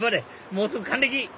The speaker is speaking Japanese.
もうすぐ還暦！